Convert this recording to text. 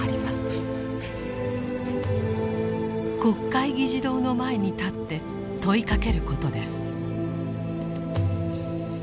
国会議事堂の前に立って問いかけることです。